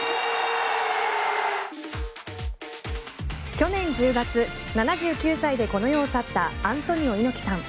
去年１０月、７９歳でこの世を去ったアントニオ猪木さん。